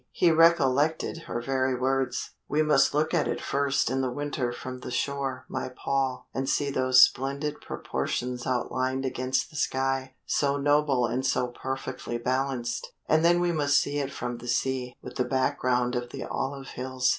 He recollected her very words: "We must look at it first in the winter from the shore, my Paul, and see those splendid proportions outlined against the sky so noble and so perfectly balanced and then we must see it from the sea, with the background of the olive hills.